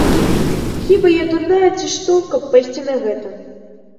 Хіба я дурная, ці што, каб пайсці на гэта.